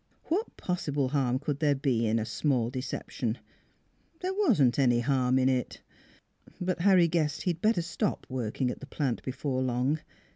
What possible harm could there be in the small deception? There wasn't any harm in it! But Harry guessed he'd better stop working at the plant before long.